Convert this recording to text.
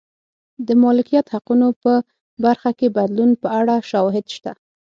د مالکیت حقونو په برخه کې بدلون په اړه شواهد شته.